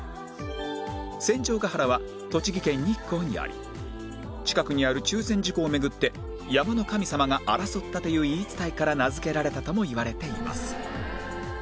戦場ヶ原は栃木県日光にあり近くにある中禅寺湖を巡って山の神様が争ったという言い伝えから名付けられたともいわれています